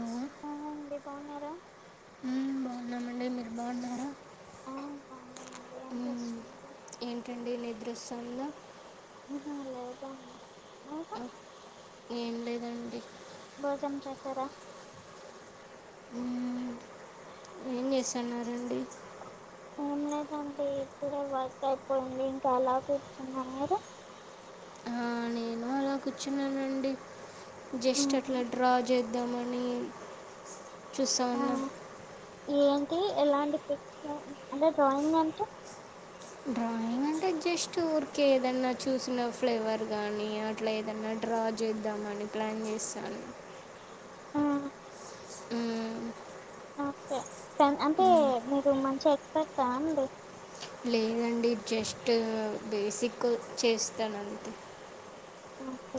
నువ్వు ఆ అండి బాగున్నారా ఉం బాగున్నామండి మీరు బాగున్నారా ఆ బాగున్నానండి ఏం మ్మ్. చేస్తున్నారు ఏంటండి నిద్రవస్తుంద ఆహా లేదండి మీకు ఆ, ఏం లేదు భోజనం చేశారా ఉం ఏం చేస్తున్నారండి ఏం లేదండి ఇప్పుడే వర్క్ అయిపోయింది ఇంకా అలా కూర్చున్నా మీరు ఆ, నేను అలా కూర్చున్నానండి జస్ట్ ఉమ్ అట్లా డ్రా చే ద్దామని చూస్తా ఆ ఉన్నా ఏంటి ఎలాంటి పిక్స్ అంటే డ్రాయింగ్ అంటే డ్రాయింగ్ అంటే జస్ట్ ఊర్కే ఏదన్న చూసిన ఫ్లేవర్ గానీ అట్ అట్ల ఏదన్న డ్రా జేద్దామని ప్లాన్ జేస్సాన్న ఆ మ్మ్ ఓ కే అంటే మీరు మంచి ఎక్స్పెక్టా అండి లేదండి జస్టూ బేసికు చేస్తా నంతే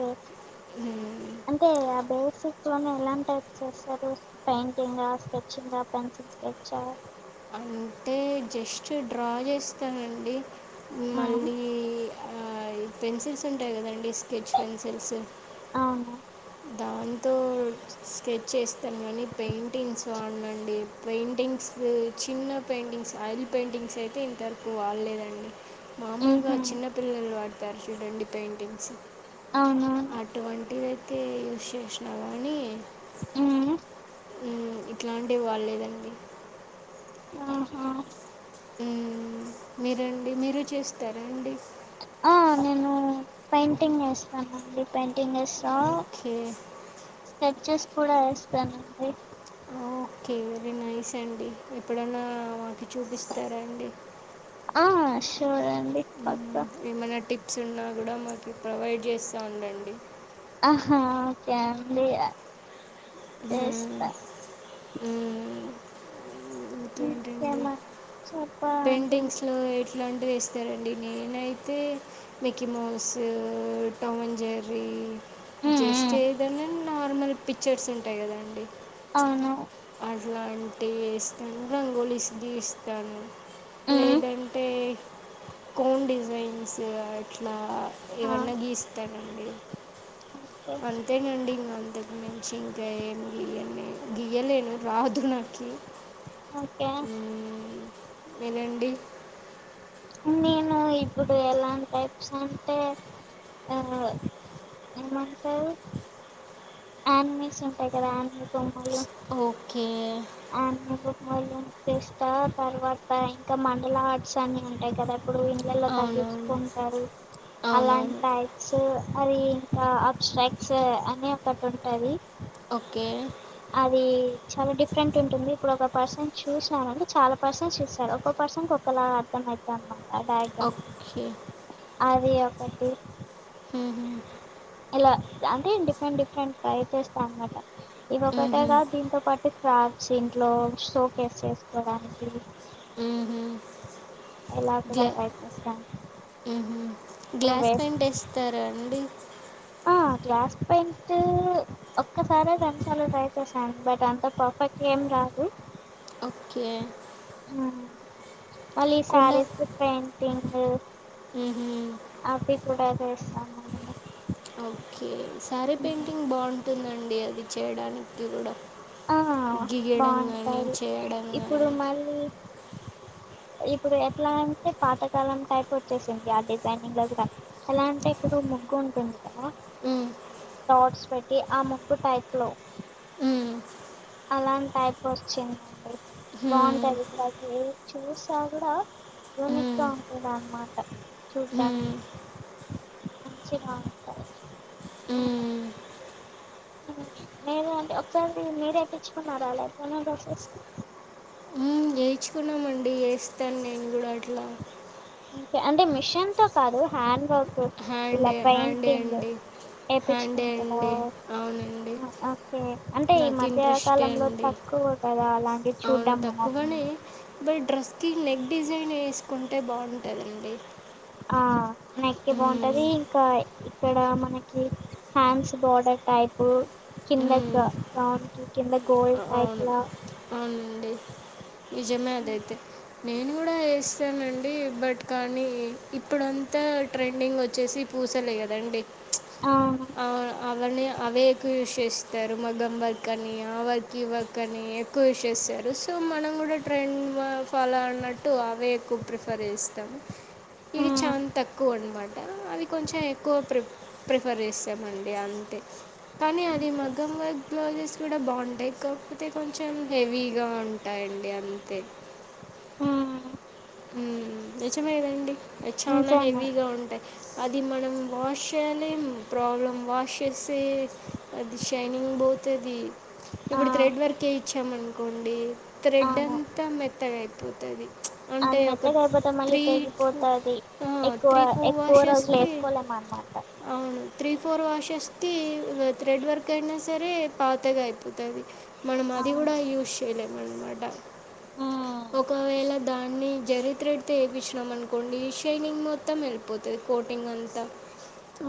ఓకే మ్మ్ అంటే ఆ బేసిక్ లొనే ఎలాంటైప్ చేస్తరు పెయింటింగా స్కెచ్చింగా పెన్సిల్ స్కెచ్చా అంటే జస్ట్ డ్రా జేస్తానండి మళ్ళీ ఆ ఈ పెన్సిల్స్ ఉంటయ్ కదండి స్కెచ్ పెన్సిల్సు ఔను దాంతోడ్ స్కెచ్చేస్తాన్ గానీ పెయింటింగ్స్ వాడ్నండి పెయింటింగ్సు చిన్న పెయింటింగ్స్ ఆయిల్ పెయింటింగ్స్ ఐతే ఇంతర్ కూ వాడ్లేదండి మాముల్గా ఉహు చిన్న పిల్లల్ వాడ్తార్ చూడండి పెయింటింగ్స్ ఔనౌన్ అటువంటివైతే యూస్ చేషిన గానీ ఉమ్ ఉమ్ ఇట్లాంటి వాళ్లేదండి ఆహా ఉమ్ మీరండి మీరు చేస్తారాండి ఆ నేన్ పెయింటింగ్ ఏస్తానండి పెయింటింగ్ ఏస్తాన్ ఓఖ్ఖే స్కెచ్చెస్ కూడా వేస్తానండి ఓక్కే వెరీ నైస్ అండి ఎప్పుడన్నా మాకి చూపిస్తారా అండి ఆ షోర్ అండి పక్క మ్మ్, ఏమైనా టిప్స్ ఉన్నా గుడా మాకి ప్రొవైడ్ జేస్సా ఉండండి అ హ్హా ఓకే అండి అ మ్మ్, చేస్తా మ్మ్, ఇంకేంటండి ఇంకేమన్ చెప్పాలండి పెయింటింగ్స్ లో ఎట్లాంటి వేస్తారండి నేనైతే మిక్కి మొవ్ సూ టామన్ జర్రీ మ్మ్ మ్మ్ జస్టు ఏదన్న నార్మల్ పిక్చర్స్ ఉంటయ్ గదండి ఔ ను అట్లాంటీ ష్టంగ్ రంగోలీస్ గీస్తాను మ్మ్ లేదంటే కోన్ డిజైన్సూ అట్లా ఆ ఏవన్న గీస్తానండి ఓకే అంతేనండి ఇంగ అందే మించి ఇంక ఏం గియ్యన్ నేన్ గియ్యలేను రాదు నాకీ ఓకే వినండి నేనూ ఇప్పుడు ఎలాంటైప్స్ అంటే ఆహ్ ఏమంటారు యానిమేస్ ఉంటయ్ కదాండి స్ ఓక్కే అన్ని గుడ్ మాయిలోనే తీస్తా తర్వాత ఇంకా మండల ఆర్ట్స్ అన్ని ఉంటాయి కదా ఇప్పుడు ఇండ్లల్లా పని అవునవును చేసుకుంటారు అవునవును అలాంటాయి సో అది ఇంకా అబ్స్ట్రైక్స్ అని ఒకటి ఉంటది ఓకే అది చాలా డిఫ్ డిఫ్రెంట్ ఉంటుంది ఇప్పుడు ఒక పర్సన్ చూసానారు అంటే చాలా పర్సన్స్ చూస్తారు ఒక పర్సన్ ఒకలా అర్థం అయితది అన్ ఆ డైగ్రామ్ ఓకే అది ఒకటి ఉహుమ్ ఇలా అంటే డిఫరెంట్ డిఫరెంట్ ట్రై చేస్తా అనమాట ఇది ఒకటేగా దీంతో పాటు స్టార్స్ ఇంట్లో సోకోస్ చేసుకోడానికి వ్మ్ హుమ్ ఇలా కూడా గ్లా ట్రై చేస్తాను ఉహుమ్ ఇప్పుడు గ్లాస్ వే తో ఏం టేస్ తర అండి ఆ క్లాస్ పేయింట్ ఒక్కసారే రెండుసాల్లో ట్రై చేశాను బట్ అంత పర్ఫెక్ట్ గా ఏం రాదు ఓక్కే ఉమ్ మళ్ళీ ఈ కుండ సారిస్ కి పెయింటింగ్ ఉహుం అవి కూడా చెస్తాము మరే ఓకే సారే పెయింటింగ్ బాగుంటుందండి అది చేయడానికి కూడా ఆ గీయడం కాని చేయడం కానీ అల్లి [inaudible] ఇప్పుడు ఎట్లా అంటే పాతకాలం టైప్ వచ్చేసింది ఆ డిజైనింగ్ దగ్ ఎలా అంటే ఇప్పుడు ముగ్గు ఉంటుంది కదా మ్, డాట్స్ పెట్టి ఆ ముగ్గు టైప్ లో మ్, అలాంటి టైప్ వచ్చిందండి మ్, బాగుంటది ఇప్పుడు అది చూసా కూడా యూనిక్గా మ్, ఉంటుంది అన్నమాట చూడ్ మ్, డానికి మంచిగావుంటాయి మ్, మీరు అంటే ఒకసారి మీరే ఎక్కించుకున్నారా అలా [unintelligible] డ్రెస్స్ కి ఏయిచ్చుకున్నామండి యేస్తాను నేను కూడా అట్లా అంతే అంటే మిషన్ తో కాదు హ్యాండ్ వక్ ఇలా హ్యాండే హ్యాండే పెయింటింగ్ అండి హ్యాండే ఏపిచ్చుకుంటదా అండి అవునండి ఆ ఓకే అంటే ఈ నాకు ఇంట్రెస్టే మధ్యకాలంలో అండి తక్కువ కదా అలాంటి అవును తక్కువనే బట్ డ్రెస్కి నెగ్ డిజైన్ వేసుకుంటే బాగుంటుందండి. ఆ నెక్ కి బాగుంటది మ్మ్. ఇంకా ఈ ఇక్కడ మనకి హ్యాండ్స్ బార్డర్ టైప్ కిందక్ మ్మ్. గౌన్కి కింద గోల్డ్ అవును టైప్లా అవునండి నిజమే అదైతే నేను కూడా వేస్తానండి బట్ కానీ ఇప్పుడంతా ట్రెండింగ్ వచ్చేసి పూసలే కదండి ఆ ఆ అవన్ని అవే ఎక్కువ యూస్ చేస్తారు మగ్గం వర్క్ అని ఆ వర్క్ ఈవర్క్ అని ఎక్కువ యూస్ చేసారు సో మనం కూడా ట్రెండ్ ఫాలో అన్నట్టు అవే ఎక్కువ ప్రిఫర్ చేస్తాం ఇది ఉమ్ చానా తక్కువ అన్నమ ట అవి కొంచెం ఎక్కువ ప్రి ప్రిఫర్ చేస్తమండి అంతే కానీ అది మగం వర్క్ బ్లౌజెస్ కూడా బాగుంటాయి కాకపోతే కొంచెం హెవీగా ఉంటాయండి అంతే మ్ మ్ నిజమేదండి అవి చాలా ఉంచాము హెవీగా ఉంటాయి అది మనం వాష్ చేయనే ప్రాబ్లం వాష్ చేస్తె అది షైనింగ్ బోతది ఆ ఇప్పుడు థ్రెడ్ వరకే ఇచ్చామనుకోండి థ్రెడ్ అవును అంతా మెత్తగయిపోతది అ మెత్తగయిపోతె మళ్ళీ తెగిపోతది ఎక్కువ త్రీ ఫోర్ ఎక్కువ రోజులు వాషెస్కి వేసుకోలేమన్నమాట అవును త్రీ ఫోర్ వాష్షేకి థ్రెడ్ వర్క్ అయినా సరే పాతగయిపోతది మనం అది అవును కూడా యూజ్ చేయలేమన్నమాట ఉమ్ ఒకవేళ దాన్ని జర్రి త్రేడ్ తో ఏపిచ్చినాం అనుకోండి షైనింగ్ మొత్తం వెళ్ళిపోతది కోటింగ్ అంతా ఆ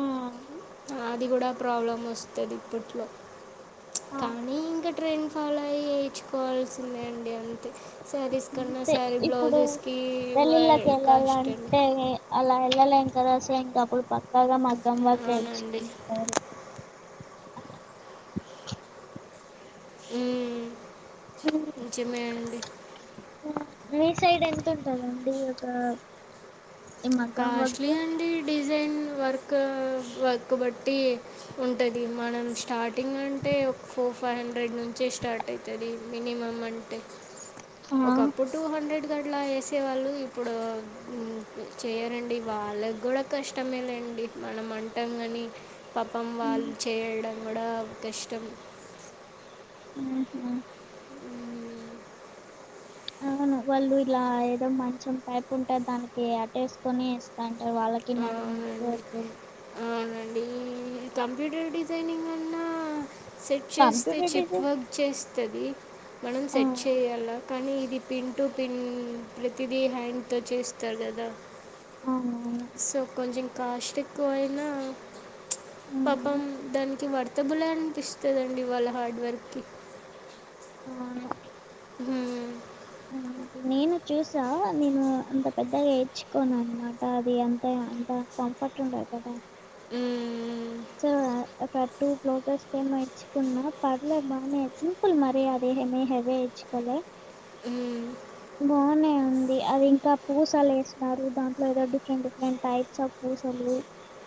అది కూడా ప్రాబ్లమ్ వస్తది ఇప్పట్లో ఆ కానీ ఇంకా ట్రైన్ ఫాలో చేయించుకోవాల్సిదే అండి అంతే శారీస్ కన్నా అంతే శారీ ఇప్పుడు బ్లౌజెస్కి కాస్ట్ అండి పెల్లిళ్ళకేళ్ళాలంటే ఏ అలా ఎళ్ళలేమ్ కాద సో ఇంక అప్పుడు పక్కాగ మగ్గం వర్క్ కే అవునండి ఎఇంచుకుంటార మ్ నిజమే అండి మీ సైడ్ ఎంతుంటదండి ఒక ఈ మగ్గం కాస్ట్లీ వర్క్ అండి డిజైన్ వర్క్ వర్క్ బట్టి ఉంటది మనం స్టార్టింగ్ అంటే ఒక ఫోర్ ఫైవ్ హండ్రెడ్ నుంచే స్టార్ట్ అయి తది మీనిమమ్ అంటే ఆ ఒకప్పుడు టూ హండ్రెడ్ కట్లా వేసేవాళ్ళు ఇప్పుడు మ్ మ్ చేయరండి వాళ్ళకి కూడా కష్టమే లేండి మనం అంటాం కాని పాపం వాళ్ళు చేయలడం కూడా కష్టం మ్ హు అవును వాళ్ళు ఇలా ఏదో మంచం పైప్ ఉంటే దానికి అటేసుకోని దాంట్ల వాళ్ళకి నడుము నొప్పి అవునండి వచ్చేది అవునండి ఈ కంప్యూటర్ డిజైనింగన్నా సెట్ చేస్తే కంప్యూటర్ చిప్ డిజైన్ వర్క్ చేస్తది మనం ఆ సెట్ చేయాలా కానీ ఇది పిన్ టు పిన్ ప్రతిదీ హ్యాంగ్తో చేస్తారు కదా అవునవును సో కొంచెం కాస్ట్ ఎక్కువయినా ఉమ్, పాపం దానికి వర్త బులే అనిపిస్తదండి వాళ్ళ హార్డ్ వర్క్ కి ఆవును మ్మ్. నేను చూసా నేను అంత పెద్దగా ఏఇంచుకోనన్నమాట అది అంత అంత కం ఫట్ ఉండదు కదా మ్మ్మ్మ్మ్ సో ఒక టూ బ్లౌజెస్స్ కేమో ఇచ్ చ్చుకున్న పర్లే బానే సింపుల్ మరి అది ఏమీ హెవేఇంచుకొలే మ్మ్. బానే ఉంది అది ఇంకా పూసలు ఎస్తారు దాంట్లో ఏదో డిఫరెంట్ డిఫరెంట్ టైప్స్ ఆఫ్ పుసలు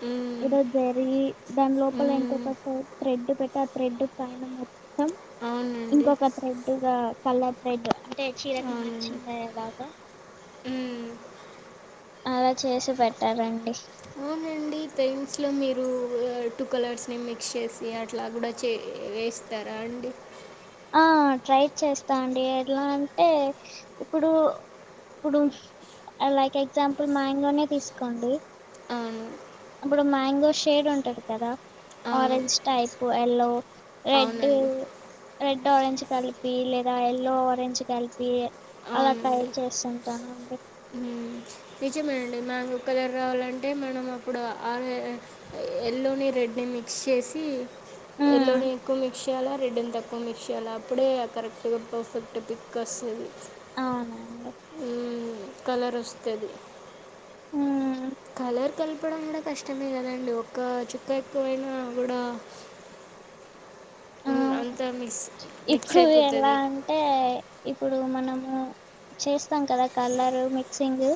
మ్మ్. ఏదో సరి దాని లోపల మ్మ్. ఇంకొక థ్రెడ్ పెట్టి ఆ థ్రెడ్ పైన మొత్తం అవునండి ఇంకొక థ్రెడ్ గా కలర్ థ్రెడ్ అంటే అవునండి [unintelligible] మ్మ్. అలా చేసి పెట్టారండి [unintelligible] లో మీరు టూ కలర్స్ ని మిక్స్ చేసి అట్లా కూడ చే వే తర అండి ఆ ట్రై చేస్త అండి ఎలా అంటే ఇప్పుడు ఇప్పుడు లైక్ ఎగ్జాంపుల్ మ్యాంగోనే తీసుకోండి ఆ అప్పుడు మ్యాంగో షేడ్ ఉంటది కదా అవును ఆరెంజ్ టైపు ఎల్లో రెడ్ అవునండి రెడ్ ఆరెంజ్ కలిపి లేద ఎల్లో ఆరెంజ్ కలిపి అల ట్రై అవునండి చేస్తు ఉంటాను అండి నిజమే అండి [unintelligible] ఎల్లోని రెడ్ని మిక్స్ చేసి ఉమ్ ఎల్లోని ఎక్కువ మిక్స్ చేయాల రెడ్నీ తక్కువ మిక్స్ చేయాల అప్పుడే కరెక్ట్ గా పర్ఫెక్ట్ [unintelligible] [unintelligible] అవునండి హు కలర్ వస్తది ఉమ్ కలర్ కలపడం కూడ కష్టమే కదండి ఒక చుక్క ఎక్కువైనా కూడ అ అవును అంతా మిక్స్ మిక్స్ ఇప్పుడు ఎల అయిపోతుంది అంటే ఇప్పుడు మనము చేస్తాం కదా కలరు మిక్సింగ్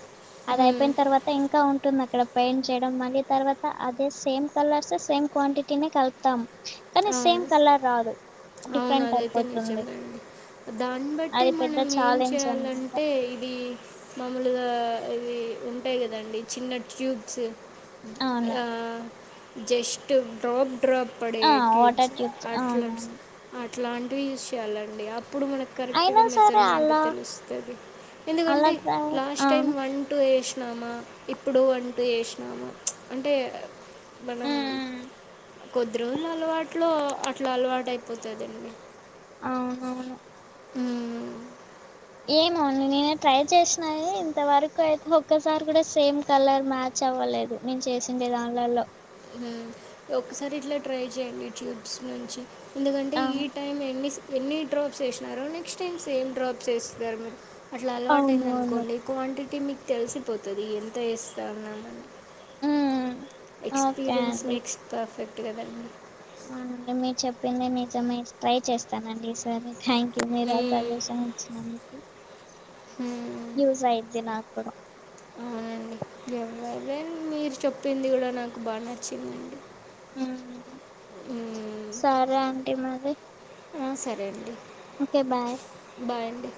అది అయిపోయిన తర్వాత ఇంక ఉ ఉంటుంది అక్కడ పెయింట్ చేయడం మళ్ళీ తర్వాత అదే సేమ్ కలర్స్ సేమ్ క్వాంటిటీనే కలుపుతాం కానీ సేమ్ అవును కలర్ రాదు అవును డిఫరెంట్ అదైతే అయిపోతుంది నిజమే [unintelligible] దాన్ని బట్టి అది పెద్ద మనం ఏం ఛాలెంజ్ అనమాట చేయాలంటే ఇది మామూలుగా ఇవి ఉంటాయి కదండి చిన్న ట్యూబ్స్ అవును [unintelligible] జస్ట్ డ్రాప్ డ్రాప్ పడే ఆ ట్యూబ్స్ వాటర్ అవునవును [unintelligible] అట్లాంటివి యూస్ చేయాలండి అప్పుడు మన కరెక్ట్గ అయినా సరే మెజర్మెంట్ అలా తెలుస్తది అలా ఎందుకంటే ట్రై లాస్ట్ ఆ టైం ఉమ్ వన్ టూ ఎసినామ ఇప్పుడు [unintelligible] ఎసినామ అంటే మనం కొద్ది రోజుల అలవాటులో అట్ల అలవాటు అయిపోతదండి అవునవును హు ఏమో [unintelligible] ట్రై చేసిన ఇంతవరకు అయితే ఒక్కసారి కూడ సేమ్ కలర్ మ్యాచ్ అవ్వలేదు నేను చేసిండే [unintelligible] ఉ ఒకసారి ఇట్ల ట్రై చేయండి ట్యూబ్స్ నుంచి ఎందుకంటే ఆ ఈ టైం ఎన్ని ఎన్ని డ్రాప్స్ వేసినారో నెక్స్ట్ టైం సేమ్ డ్రాప్స్ [unintelligible] అట్ల అలవాటు అయింది అవునవును అనుకోండి క్వాంటిటీ మీకు తెలిసిపోతుంది ఎంత ఎస్త [unintelligible] ఉ ఎక్స్పీరియన్స్ మేక్స్ పర్ఫెక్ట్ కదం [unintelligible] అవునండి మీరు చెప్పిందే నిజం ట్రై చేస్తానండి ఈసారి థ్యాంక్ యూ మీరు ఆ మ్మ్. సజెషన్ [unintelligible] ఆ మీకు హు యూస్ అయిది నాకు కూడా అవునండి ఎవరే మీరు చెప్పింది కూడా నాకు బాగా నచ్చింధీ అండి ఉ సరే ఆంటీ మరి ఆ సరే అండి ఓకే బాయ్ బాయ్ అండి